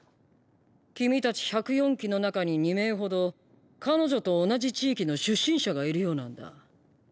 君たち１０４期の中に２名ほど彼女と同じ地域の出身者がいるようなんだ。